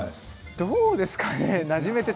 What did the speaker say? どうですかね